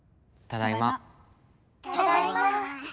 ただいま。